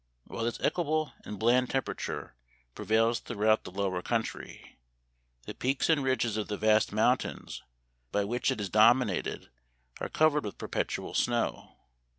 " While this equable and bland temperature prevails throughout the lower country, the peaks and ridges of the vast mountains by which it is dominated are covered with perpetual snow.